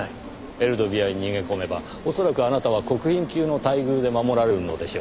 エルドビアに逃げ込めば恐らくあなたは国賓級の待遇で守られるのでしょうねぇ。